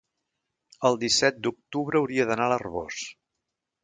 el disset d'octubre hauria d'anar a l'Arboç.